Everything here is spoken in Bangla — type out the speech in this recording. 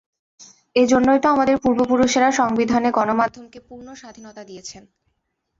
এ জন্যই তো আমাদের পূর্বপুরুষেরা সংবিধানে গণমাধ্যমকে পূর্ণ স্বাধীনতা দিয়েছেন।